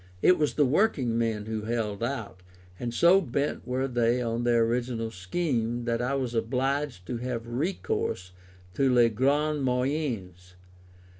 It was the working men who held out, and so bent were they on their original scheme, that I was obliged to have recourse to les grands moyens.